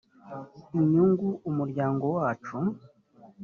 inyungu umuryango wacu